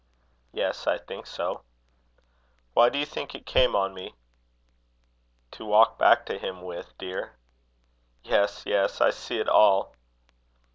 "Yes, I think so." "Why do you think it came on me?" "To walk back to Him with, dear." "Yes, yes; I see it all."